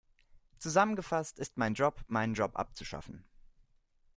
Zusammengefasst ist mein Job, meinen Job abzuschaffen.